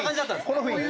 この雰囲気。